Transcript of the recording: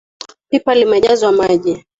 Pipa limejazwa maji.